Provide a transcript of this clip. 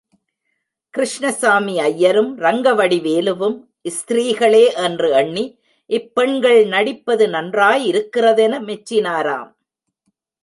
கிருஷ்ணசாமி ஐயரும், ரங்கவடிவேலுவும் ஸ்திரீகளே என்று எண்ணி, இப்பெண்கள் நடிப்பது நன்றாயிருக்கிறதென மெச்சினாராம்.